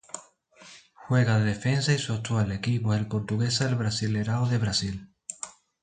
Juega de defensa y su actual equipo es el Portuguesa del Brasileirao de Brasil.